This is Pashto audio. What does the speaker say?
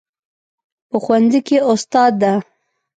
په ښوونځي کې استاد ده